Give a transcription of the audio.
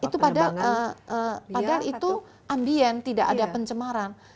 itu padahal itu ambien tidak ada pencemaran